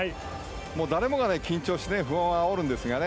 誰もが緊張して不安になるんですがね。